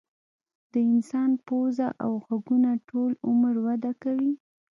د انسان پوزه او غوږونه ټول عمر وده کوي.